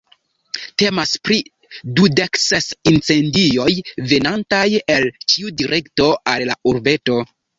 Temas pri dudek ses incendioj venantaj el ĉiu direkto al la urbeto.